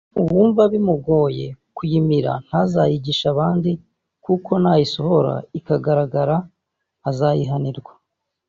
uwumva bimugoye kuyimira ntazayigishe abandi kuko nayisohora ikagaragara azayihanirwa